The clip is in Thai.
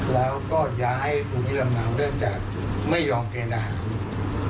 แล้วก็ย้ายภูมิลำนาวด้านจากไม่ยอมเกณฑ์อาหาร